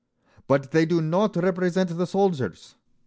_"But they do not represent the soldiers!"